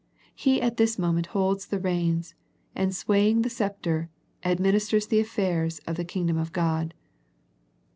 He at this moment holds the reins, and swaying the sceptre, ad ministers the affairs of the Kingdom of God.